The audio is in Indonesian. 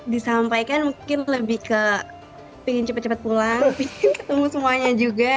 disampaikan mungkin lebih ke pingin cepat cepat pulang ingin ketemu semuanya juga